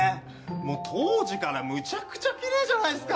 もう当時からむちゃくちゃきれいじゃないですか。